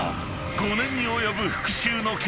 ［５年に及ぶ］